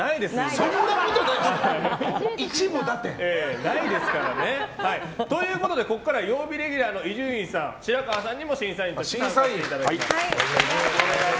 そんなことない！ということでここからは曜日レギュラーの伊集院さん白河さんにも審査員として参加していただきます。